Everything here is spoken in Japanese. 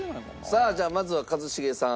さあじゃあまずは一茂さん。